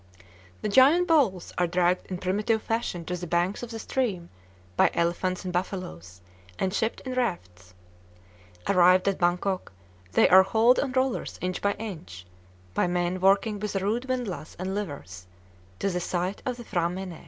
The "giant boles" are dragged in primitive fashion to the banks of the stream by elephants and buffaloes, and shipped in rafts. Arrived at Bangkok, they are hauled on rollers inch by inch, by men working with a rude windlass and levers, to the site of the P'hra mène.